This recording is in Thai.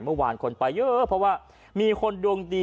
เมื่อวานคนไปเยอะเพราะว่ามีคนดวงดี